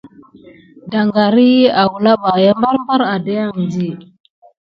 Daŋgar iki awula ɓa barbar adéke andi.